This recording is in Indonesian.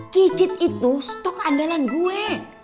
kicit itu stok andalan gue